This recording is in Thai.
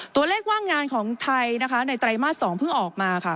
ว่างงานของไทยนะคะในไตรมาส๒เพิ่งออกมาค่ะ